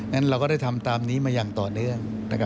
นั้นเราก็ได้ทำตามนี้มาอย่างต่อเนื่อง